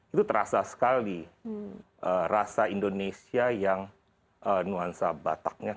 itu terasa sekali rasa indonesia yang nuansa bataknya